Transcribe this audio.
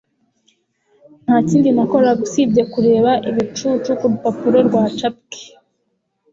nta kindi nakoraga usibye kureba ibicucu kurupapuro rwacapwe